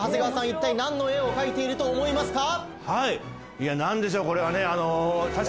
一体何の絵を描いていると思いますか？